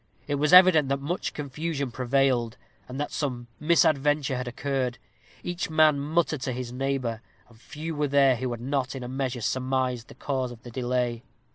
It was evident that much confusion prevailed, and that some misadventure had occurred. Each man muttered to his neighbor, and few were there who had not in a measure surmised the cause of the delay.